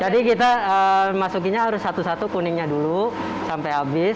jadi kita masukinnya harus satu satu kuningnya dulu sampai abis